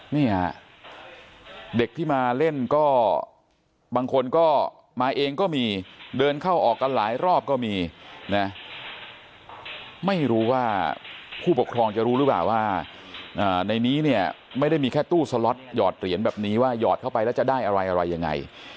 นี่ฮะเด็กที่มาเล่นก็บางคนก็มาเองก็มีเดินเข้าออกกันหลายรอบก็มีนะไม่รู้ว่าผู้ปกครองจะรู้หรือเปล่าว่าในนี้เนี่ยไม่ได้มีแค่ตู้สล็อตหยอดเหรียญแบบนี้ว่าหยอดเข้าไปแล้วจะได้อะไรอะไรยังไง